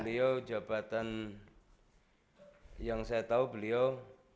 beliau jabatan yang saya tahu beliau